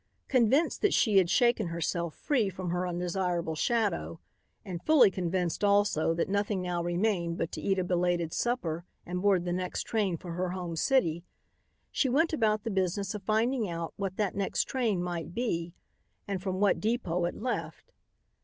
Convinced that she had shaken herself free from her undesirable shadow, and fully convinced also that nothing now remained but to eat a belated supper and board the next train for her home city, she went about the business of finding out what that next train might be and from what depot it left.